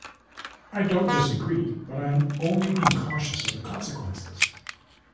I don't disagree, I am only being cautious of the consequences.